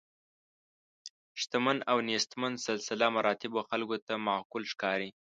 شتمن او نیستمن سلسله مراتبو خلکو ته معقول ښکاري.